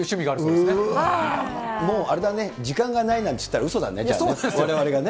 うわー、もうあれだね、時間がないなんて言ったらうそだね、われわれがね。